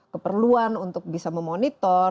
keperluan untuk bisa memonitor